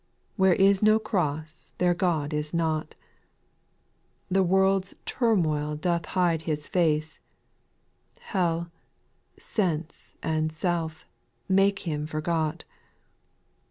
Where is no cross there God is not ; The world's turmoil doth hide His face, Hell, sense, and self, make Him forgot.